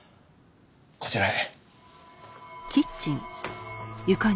こちらへ。